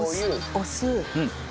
お酢。